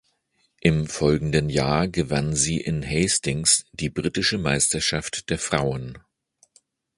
Im folgenden Jahr gewann sie in Hastings die britische Meisterschaft der Frauen.